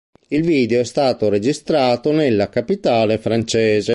Il video è stato registrato nella capitale francese